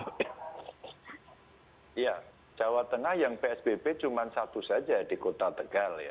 ya jawa tengah yang psbb cuma satu saja di kota tegal ya